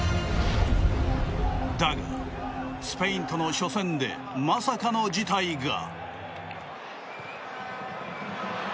だが、スペインとの初戦でまさかの事態が。